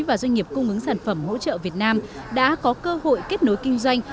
và doanh nghiệp cung ứng sản phẩm hỗ trợ việt nam đã có cơ hội kết nối kinh doanh